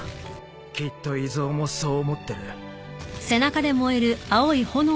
きっとイゾウもそう思ってる。